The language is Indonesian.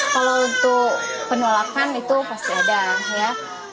kalau untuk penolakan itu pasti ada ya